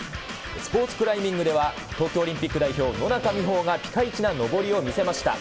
スポーツクライミングでは、東京オリンピック代表、野中生萌がピカイチな登りを見せました。